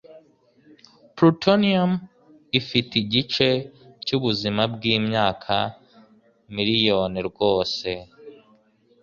Plutonium- ifite igice cyubuzima bwimyaka miriyoni rwose